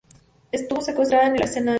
Estuvo secuestrada en el Arsenal.